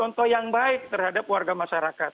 contoh yang baik terhadap warga masyarakat